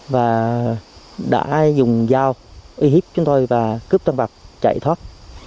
và đã dùng dao uy hiếp chúng tôi và cướp tăng vật chạy thoát